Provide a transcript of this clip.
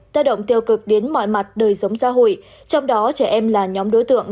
tái động tiêu cực đến mọi mặt đời giống gia hội trong đó trẻ em là nhóm đối tượng